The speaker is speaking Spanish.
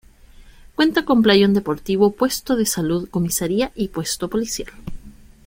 Cuenta con playón deportivo, puesto de salud, comisaría y puesto policial.